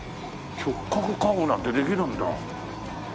直角カーブなんてできるんだ。